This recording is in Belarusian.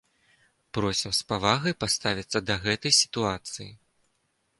Просім з павагай паставіцца да гэтай сітуацыі.